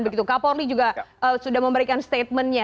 begitu kak polri juga sudah memberikan statementnya